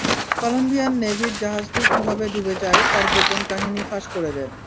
Colombian নেভির জাহাজটি কীভাবে ডুবে যায়, তার গোপন কাহিনি ফাঁস করে দেন।